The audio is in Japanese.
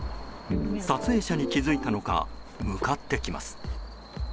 撮影者に気付いたのか向かってきます。